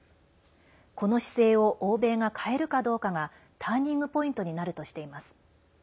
この姿勢を欧米が変えるかどうかがターニングポイントになるとしています。